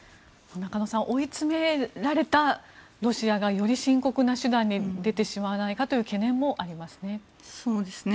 中野さん追い詰められたロシアがより深刻な手段に出てしまわないかという懸念もありますね。